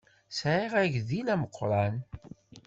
Ssɛiɣ agdil ameqran.